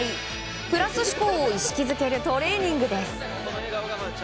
プラス思考を意識づけるトレーニングです。